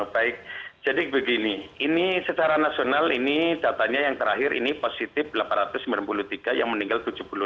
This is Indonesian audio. baik jadi begini ini secara nasional ini datanya yang terakhir ini positif delapan ratus sembilan puluh tiga yang meninggal tujuh puluh delapan